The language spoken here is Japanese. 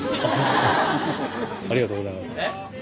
ありがとうございます。